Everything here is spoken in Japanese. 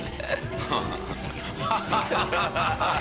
ハハハハッ。